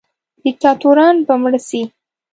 دیکتاتوران به مړه سي.